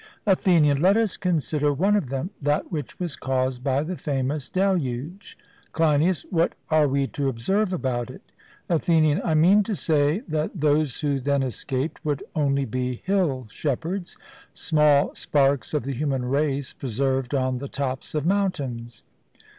ATHENIAN: Let us consider one of them, that which was caused by the famous deluge. CLEINIAS: What are we to observe about it? ATHENIAN: I mean to say that those who then escaped would only be hill shepherds, small sparks of the human race preserved on the tops of mountains.